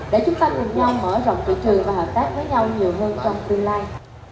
để chúng ta cùng nhau mở rộng thị trường và hợp tác với nhau nhiều hơn trong tương lai